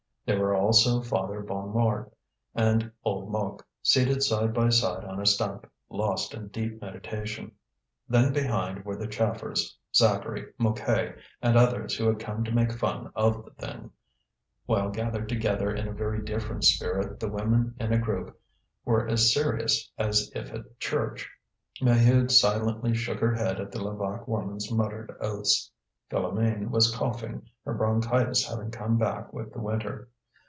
There were also Father Bonnemort and old Mouque, seated side by side on a stump, lost in deep meditation. Then behind were the chaffers, Zacharie, Mouquet, and others who had come to make fun of the thing; while gathered together in a very different spirit the women in a group were as serious as if at church. Maheude silently shook her head at the Levaque woman's muttered oaths. Philoméne was coughing, her bronchitis having come back with the winter.